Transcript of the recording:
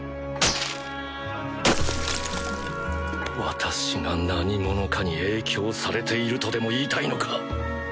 私が何者かに影響されているとでも言いたいのか？